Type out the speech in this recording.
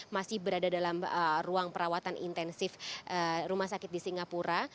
masih berada dalam ruang perawatan intensif rumah sakit di singapura